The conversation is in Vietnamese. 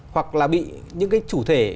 hoặc là bị những cái chủ thể